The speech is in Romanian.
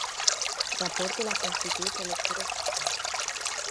Raportul a constituit o lectură șocantă.